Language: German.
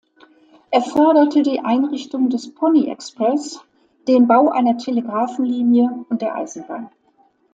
Er förderte die Einrichtung des Pony Express, den Bau einer Telegrafenlinie und der Eisenbahn.